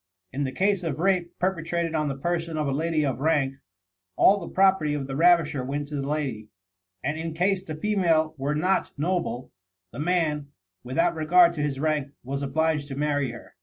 In the case of a rape perpetrated on the person of a lady of rank, all the property of the ravisher went to the lady; and in case the female were not noble, the man, without regard to his rank, was obliged to marry her.